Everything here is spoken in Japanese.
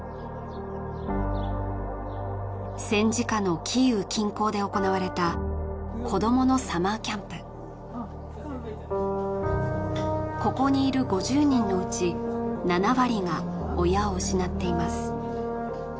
戦時下のキーウ近郊で行われた子どものここにいる５０人のうち７割が親を失っています